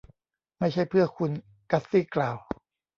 ไม่ใช่เพื่อคุณ. กัซซี่กล่าว